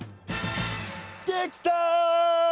できた！